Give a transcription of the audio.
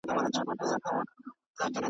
په خوب لیدلی مي توپان وو ما یې زور لیدلی .